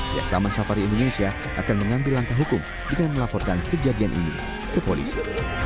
pihak taman safari indonesia akan mengambil langkah hukum dengan melaporkan kejadian ini ke polisi